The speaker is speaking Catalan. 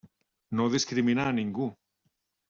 No discrimina a ningú.